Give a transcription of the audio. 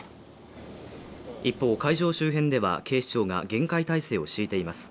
一方、会場周辺では、警視庁が厳戒態勢を敷いています。